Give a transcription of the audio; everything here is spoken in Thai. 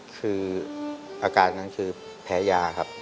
คืออาการนั้นคือแพ้ยาครับ